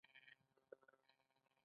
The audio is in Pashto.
د انارو باغونه ښه عاید لري؟